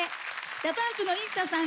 ＤＡＰＵＭＰのＩＳＳＡさん